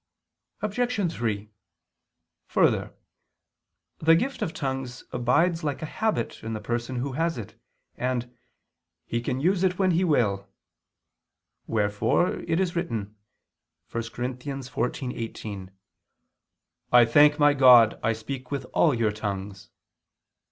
Obj. 3: Further, the gift of tongues abides like a habit in the person who has it, and "he can use it when he will"; wherefore it is written (1 Cor. 14:18): "I thank my God I speak with all your tongues."